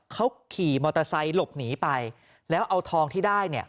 เขาขี่มอเตอร์ไซค์หลบหนีไปแล้วเอาทองที่ได้เนี่ย